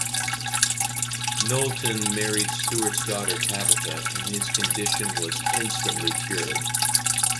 Knowlton married Stuart's daughter, Tabitha, and his condition was instantly cured.